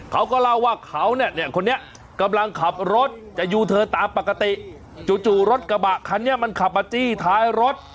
เขาก็เล่าว่าเขาเนี่ยคนนี้กำลังขับรถจะยูเทิร์นตามปกติจู่รถกระบะคันนี้มันขับมาจี้ท้ายรถ